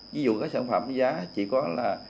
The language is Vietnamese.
ví dụ các sản phẩm giá chỉ có là